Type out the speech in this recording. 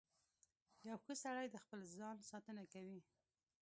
• یو ښه سړی د خپل ځان ساتنه کوي.